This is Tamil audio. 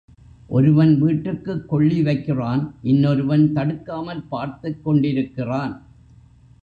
ஒருவன் வீட்டுக்குக் கொள்ளி வைக்கிறான் இன்னொருவன் தடுக்காமல் பார்த்துக் கொண்டிருக்கிறான்.